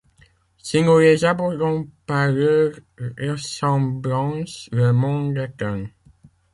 Si nous les abordons par leurs ressemblances le monde est un.